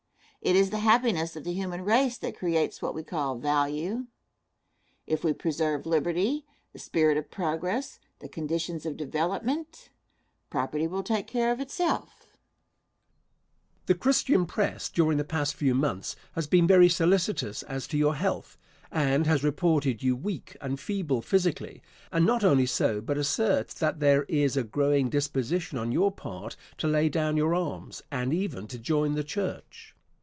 It is the happiness of the human race that creates what we call value. If we preserve liberty, the spirit of progress, the conditions of development, property will take care of itself. Question. The Christian press during the past few months has been very solicitous as to your health, and has reported you weak and feeble physically, and not only so, but asserts that there is a growing disposition on your part to lay down your arms, and even to join the church.